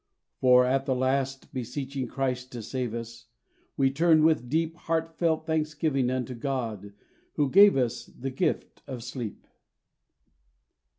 For, at the last, beseeching Christ to save us, We turn with deep Heart felt thanksgiving unto God, who gave us The Gift of Sleep.